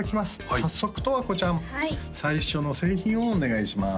早速十和子ちゃん最初の製品をお願いします